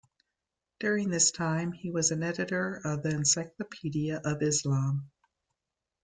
During this time he was an editor of the Encyclopaedia of Islam.